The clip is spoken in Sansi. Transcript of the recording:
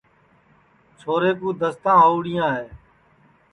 چھورے کُو دستاں ہؤڑیاں ہے